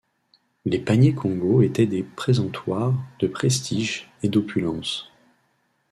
Les paniers Kongo étaient des présentoirs de prestige et d'opulence.